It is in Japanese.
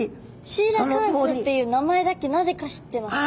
シーラカンスっていう名前だけなぜか知ってます。